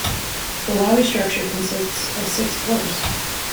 The lobby structure consists of six floors.